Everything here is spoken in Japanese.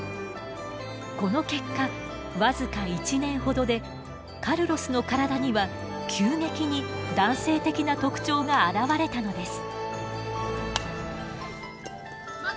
この結果僅か１年ほどでカルロスの体には急激に男性的な特徴が現れたのです。